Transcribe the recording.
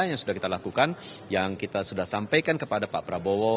yang sudah kita lakukan yang kita sudah sampaikan kepada pak prabowo